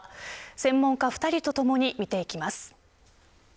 専門家２人とともに見ていきます。